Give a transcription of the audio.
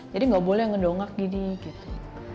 nggak boleh ngedongak gini gitu